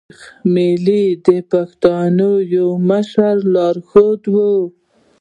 شېخ ملي د پښتنو يو مشهور لار ښود وو.